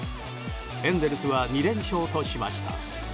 エンゼルスは２連勝としました。